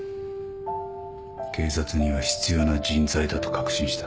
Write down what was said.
警察には必要な人材だと確信した。